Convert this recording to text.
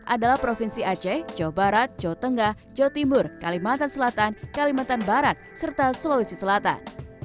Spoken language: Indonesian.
adalah provinsi aceh jawa barat jawa tengah jawa timur kalimantan selatan kalimantan barat serta sulawesi selatan